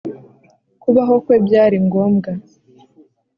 kubaho kwe byari ngombwa,